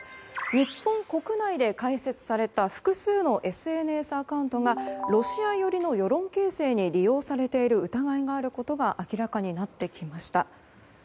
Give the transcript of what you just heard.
日本国内で開設された複数のＳＮＳアカウントがロシア寄りの世論形成に利用されている疑いがあることが明らかになってきました。